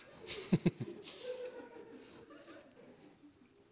フフフ。